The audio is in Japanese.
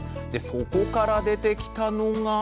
そこから出てきたのが？